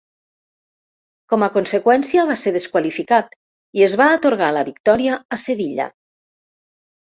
Com a conseqüència va ser desqualificat i es va atorgar la victòria a Sevilla.